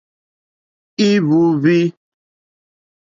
Íhwǃúúhwí.